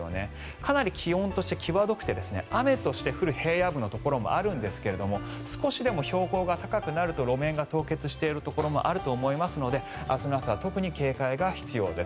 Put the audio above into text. かなり気温として際どくて雨として降る平野部のところもあるんですが少しでも標高が高くなると路面が凍結しているところもあると思いますので明日の朝は特に警戒が必要です。